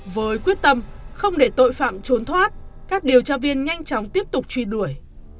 với quyết tâm không để tội phạm trốn thoát các điều tra viên nhanh chóng tiếp tục truy đuổi